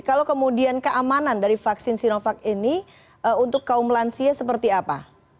kalau kemudian keamanan dari vaksin sinovac ini untuk kaum lansia seperti apa